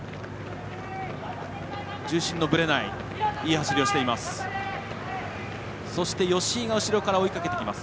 重心のぶれないいい走りをしています。